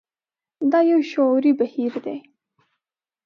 دا يو شعوري بهير دی.